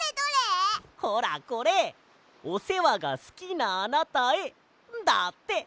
「おせわがすきなあなたへ」だって！